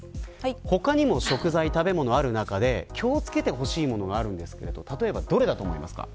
他にも食材、食べ物がある中で気を付けてほしいものがあるんですが例えばどれだと思いますか。